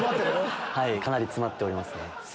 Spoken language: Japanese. かなり詰まっております。